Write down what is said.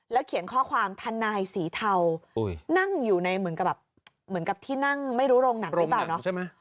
แล้วเขียนข้อความทานายสีเทานั่งอยู่ในเหมือนกับที่นั่งไม่รู้โรงหนักหรือเปล่า